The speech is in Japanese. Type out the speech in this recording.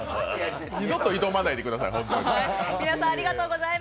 二度と挑まないでください、ホントに。